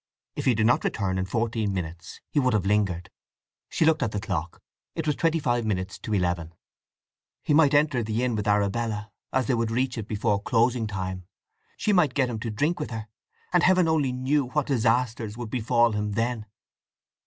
If he did not return in fourteen minutes he would have lingered. She looked at the clock. It was twenty five minutes to eleven. He might enter the inn with Arabella, as they would reach it before closing time; she might get him to drink with her; and Heaven only knew what disasters would befall him then.